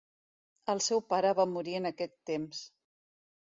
El seu pare va morir en aquest temps.